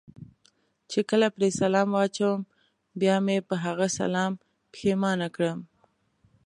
چې کله پرې سلام واچوم بیا مې په هغه سلام پښېمانه کړم.